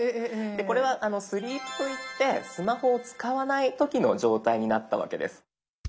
これは「スリープ」といってスマホを使わない時の状態になったわけです。